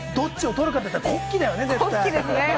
どっちを取るかって言ったら克己だよね、絶対。